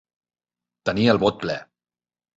Tenir el bot ple.